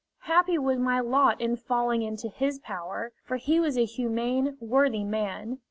Happy was my lot in falling into his power, for he was a humane, worthy man.